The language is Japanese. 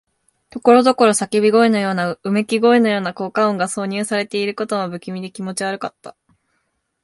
ところどころ叫び声のような、うめき声のような効果音が挿入されていることも、不気味で気持ち悪かった。